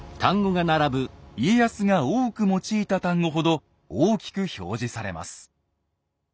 家康が多く用いた単語ほど大きく表示されます。